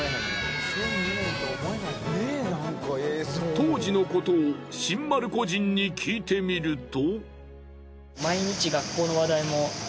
当時のことを新丸子人に聞いてみると。